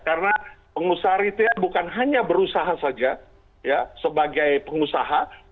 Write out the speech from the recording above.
karena pengusaha ritel bukan hanya berusaha saja sebagai pengusaha